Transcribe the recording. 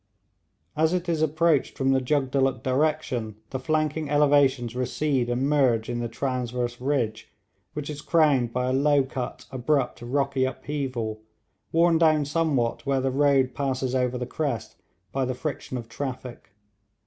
As it is approached from the Jugdulluk direction the flanking elevations recede and merge in the transverse ridge, which is crowned by a low cut abrupt rocky upheaval, worn down somewhat where the road passes over the crest by the friction of traffic.